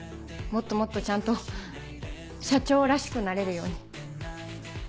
もっともっとちゃんと社長らしくなれるように。